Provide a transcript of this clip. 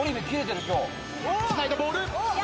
つないだボール。